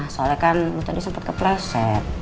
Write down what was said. soalnya kan lu tadi sempet kepleset